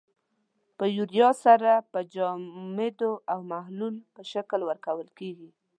د یوریا سره په جامدو او محلول په شکل ورکول کیږي.